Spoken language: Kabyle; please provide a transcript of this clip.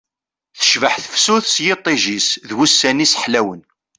Tecbeḥ tefsut s yiṭij-is d wussan-is ḥlawen